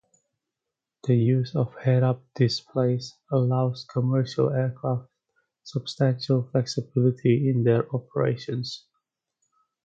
The use of head-up displays allows commercial aircraft substantial flexibility in their operations.